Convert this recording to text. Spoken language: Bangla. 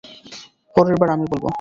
পরের বার আমি বলব।